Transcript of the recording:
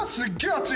熱い！